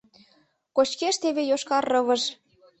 Кочкеш теве йошкар рывыж.